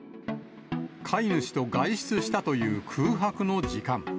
飼い主と外出したという空白の時間。